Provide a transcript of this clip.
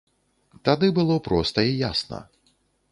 Тады было проста і ясна.